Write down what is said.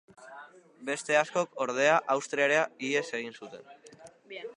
Beste askok, ordea, Austriara ihes egin zuten.